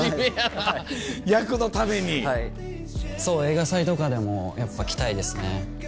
映画祭とかでもやっぱ来たいですね。